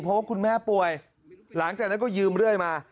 เพราะว่าคุณแม่ป่วยหลังจากนั้นก็ยืมเรื่อยมา